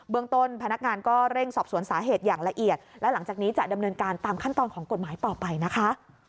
เมืองต้นพนักงานก็เร่งสอบสวนสาเหตุอย่างละเอียดและหลังจากนี้จะดำเนินการตามขั้นตอนของกฎหมายต่อไปนะคะ